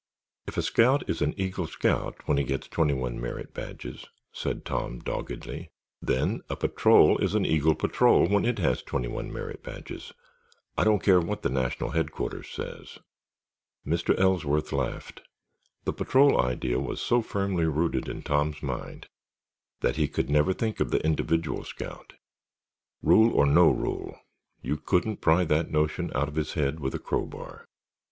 "If a scout is an Eagle Scout when he gets twenty one merit badges," said Tom, doggedly, "then a patrol is an Eagle Patrol when it has twenty one merit badges. I don't care what National Headquarters says." Mr. Ellsworth laughed. The patrol idea was so firmly rooted in Tom's mind that he could never think of the individual scout. Rule or no rule, you couldn't pry that notion out of his head with a crowbar.